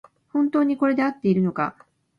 本当にこれであっているのか